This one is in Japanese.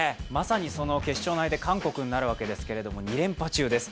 まさに決勝の相手、韓国になるわけですが、２連覇中です。